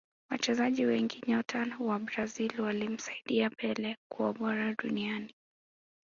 Wachezaji wengi nyota wa Brazil walimsaidia pele kuwa bora duniani